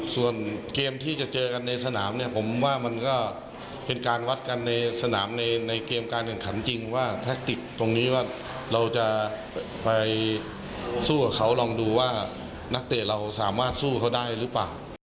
ส่วนเกมที่จะเจอกันในสนามเนี่ยผมว่ามันก็เป็นการวัดกันในสนามในเกมการแข่งขันจริงว่าแท็กติกตรงนี้ว่าเราจะไปสู้กับเขาลองดูว่านักเตะเราสามารถสู้เขาได้หรือเปล่า